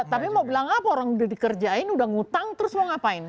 tapi mau bilang apa orang udah dikerjain udah ngutang terus mau ngapain